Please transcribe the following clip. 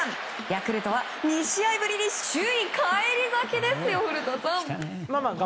ヤクルトは２試合ぶりに首位返り咲きです。